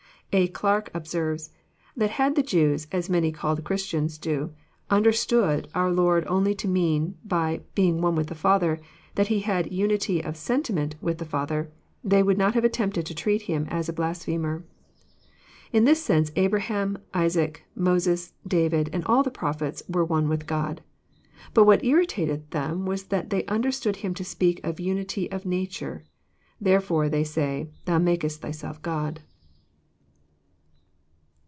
A. Clarke observes: ''That had the Jews, as many called Christians do, understood our Lord only to mean, by being * one with the Father,' that He had unity of sentiment with the Father, they would not have attempted to treat Ilim as a blas phemer. In this sense Abraham, Isaac, Moses, David, and all the prophets were one with God. But what irritated them was that they understood him to speak of unity of nature. There fore they say, * Thou makest Thyself God.